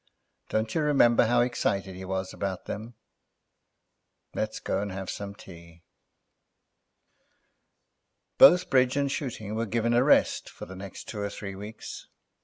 Don't you remember how excited he was about them? Let's go and have some tea." Both bridge and shooting were given a rest for the next two or three weeks.